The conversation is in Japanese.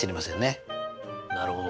なるほど。